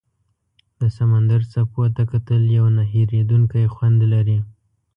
د سمندر څپو ته کتل یو نه هېریدونکی خوند لري.